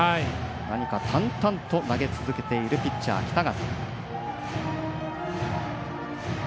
淡々と投げ続けているピッチャー、北方。